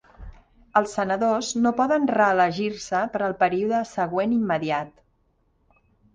Els senadors no poden reelegir-se per al període següent immediat.